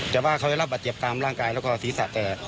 แต่ว่าเขาได้รับบาดเจ็บตามร่างกายแล้วก็ศีรษะแตก